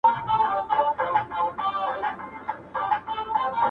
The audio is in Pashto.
• له هر چا نه اول په خپل ځان باور ولره..